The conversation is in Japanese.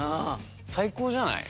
最高じゃない？